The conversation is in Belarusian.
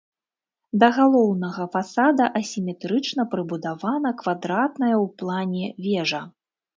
Да галоўнага фасада асіметрычна прыбудавана квадратная ў плане вежа.